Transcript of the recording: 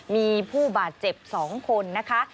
มีผู้บาดเจ็บ๒คนนะคะ